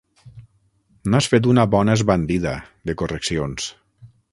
N'has fet una bona esbandida, de correccions.